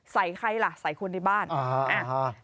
ใส่ใครล่ะใส่คนในบ้าน